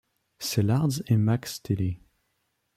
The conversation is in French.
Sellards et Max Theiler.